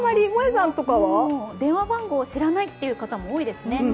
電話番号を知らないという方も多いですね。